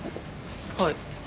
はい。